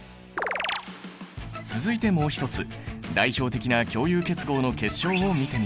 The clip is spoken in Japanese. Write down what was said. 続いてもう一つ代表的な共有結合の結晶を見てみよう。